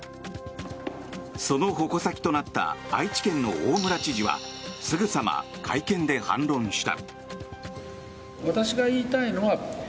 その矛先となった愛知県の大村知事はすぐさま会見で反論した。